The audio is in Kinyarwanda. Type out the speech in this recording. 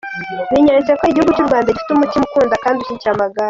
Binyeretse ko igihugu cy’u Rwanda gifite umutima ukunda kandi ushyigikira amagare.